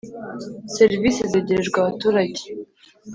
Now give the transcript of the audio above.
serivisi zegerejwe Abaturage